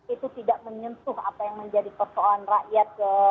itu tidak menyentuh apa yang menjadi persoalan rakyat